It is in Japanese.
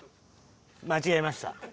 間違えました。